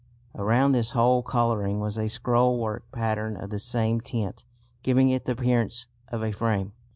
Around this whole colouring was a scrollwork pattern of the same tint, giving it the appearance of a frame.